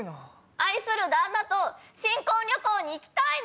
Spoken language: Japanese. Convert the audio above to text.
愛する旦那と新婚旅行に行きたいの！